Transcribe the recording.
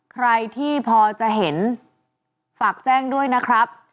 ใครที่พอจะเห็นฝากแจ้งด้วยนะครับ